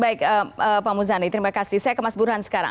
baik pak muzani terima kasih saya kemas buruhan sekarang